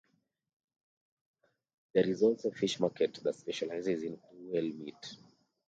There is also a fish market that specializes in whale meat.